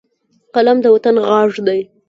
قلم د وطن غږ دی